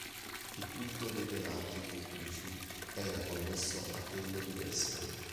Il culto dei Penati pubblici era connesso a quello di Vesta.